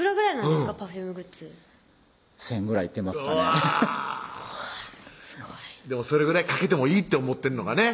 うわっすごいそれぐらいかけてもいいって思ってんのがね